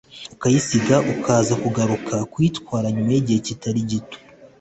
ukayisiga ukaza kugaruka kuyitwara nyuma y’igihe kitari gito